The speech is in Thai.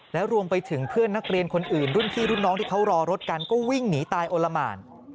แล้วรวมไปถึงเพื่อนนักเรียนคนอื่นรุ่นพี่รุ่นน้องที่เขารอรถกันก็วิ่งหนีตายโอละหมาน